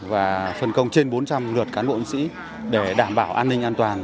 và phân công trên bốn trăm linh lượt cán bộ nhân dân